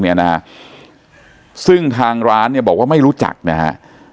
เนี่ยนะฮะซึ่งทางร้านเนี่ยบอกว่าไม่รู้จักนะฮะ